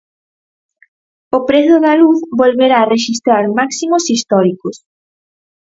O prezo da luz volverá rexistrar máximos históricos.